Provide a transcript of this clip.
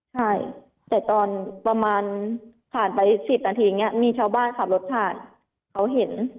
ใช่แต่ตอนประมาณผ่านไป๑๐นาทีอย่างนี้มีชาวบ้านขับรถผ่านเขาเห็น